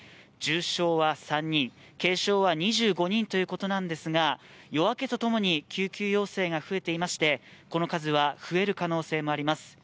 重傷は３人、軽傷は２５人ということなんですが夜明けとともに救急要請が増えていまして、この数は増える可能性もあります。